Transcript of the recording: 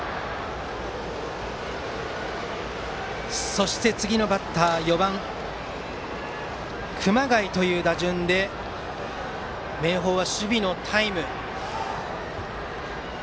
そして、次のバッター４番の熊谷という打順で明豊は守備のタイム。